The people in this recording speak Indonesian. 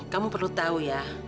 kamu perlu tahu ya